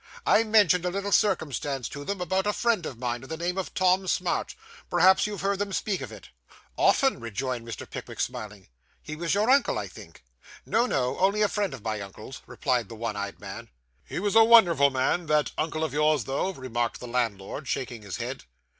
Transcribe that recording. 'I mentioned a little circumstance to them about a friend of mine of the name of Tom Smart. Perhaps you've heard them speak of it.' 'Often,' rejoined Mr. Pickwick, smiling. 'He was your uncle, I think?' 'No, no; only a friend of my uncle's,' replied the one eyed man. 'He was a wonderful man, that uncle of yours, though,' remarked the landlord shaking his head.